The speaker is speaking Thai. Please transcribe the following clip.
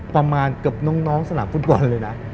ประมาณเกือบน้องสนามฟุตบอลเลยนะ